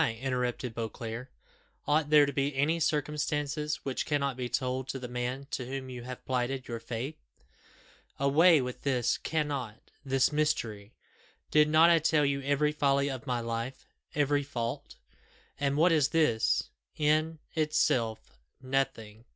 interrupted Beauclerc. "Ought there to be any circumstances which cannot be told to the man to whom you have plighted your faith? Away with this 'cannot this mystery!' Did not I tell you every folly of my life every fault? And what is this? in itself, nothing!